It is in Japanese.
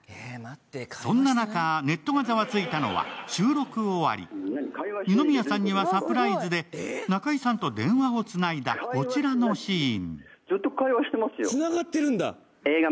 そんな中、ネットがざわついたのは収録終わり、二宮さんにはサプライズで中居さんと電話をつないだこちらのシーン。